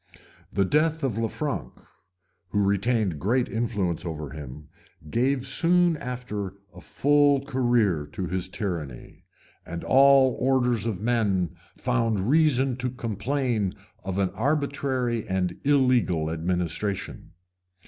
The death of Lanfranc, who retained great influence over him, gave soon after a full career to his tyranny; and all orders of men found reason to complain of an arbitrary and illegal administration.